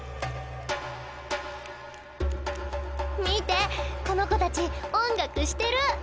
見てこの子たち音楽してる！